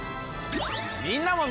みんなも。